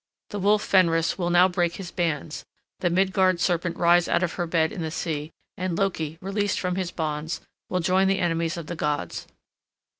The wolf Fenris will now break his bands, the Midgard serpent rise out of her bed in the sea, and Loki, released from his bonds, will join the enemies of the gods.